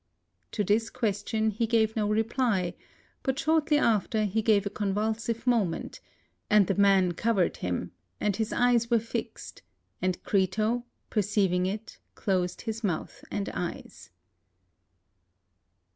To this question he gave no reply; but shortly after he gave a convulsive movement, and the man covered him, and his eyes were fixed; and Crito, perceiving it, closed his mouth and eyes.